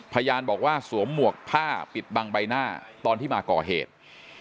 พยานบอกว่าสวมหมวกผ้าปิดบังใบหน้าตอนที่มาก่อเหตุ